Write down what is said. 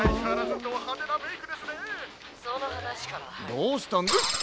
どうしたんヒッ！